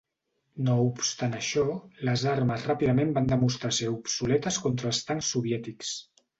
No obstant això, les armes ràpidament van demostrar ser obsoletes contra els tancs soviètics.